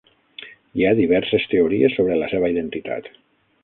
Hi ha diverses teories sobre la seva identitat.